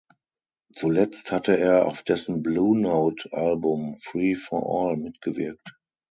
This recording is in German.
Zuletzt hatte er auf dessen Blue Note Album "Free for All" mitgewirkt.